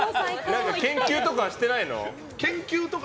研究とかはしてないの？